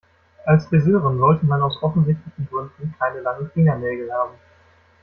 Als Friseurin sollte man aus offensichtlichen Gründen keine langen Fingernägel haben.